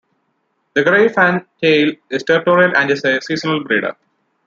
The grey fantail is territorial and it is a seasonal breeder.